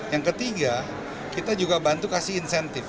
yang ketiga kita juga bantu kasih insentif